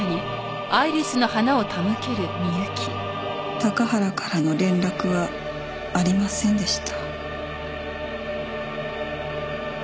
高原からの連絡はありませんでした。